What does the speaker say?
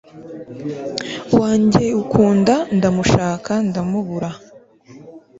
wanjye ukunda ndamushaka ndamubura